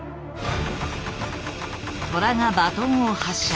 トラがバトンを発射。